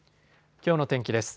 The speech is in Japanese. きょうの天気です。